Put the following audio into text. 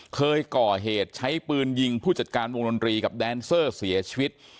เคยก่อเหตุใช้ปืนยิงผู้จัดการวงดนตรีกับแดนเซอร์เสียชีวิต